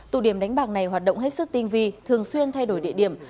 tụ điểm đánh bạc này hoạt động hết sức tinh vi thường xuyên thay đổi địa điểm